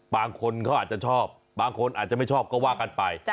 บางคนเขาอาจจะชอบบางคนอาจจะไม่ชอบก็ว่ากันไป